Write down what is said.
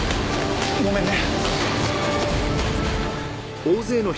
ごめんね。